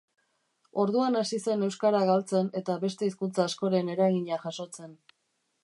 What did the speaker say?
Orduan hasi zen euskara galtzen eta beste hizkuntza askoren eragina jasotzen.